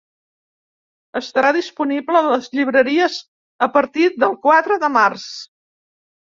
Estarà disponible a les llibreries a partir del quatre de març.